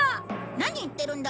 何言ってるんだ！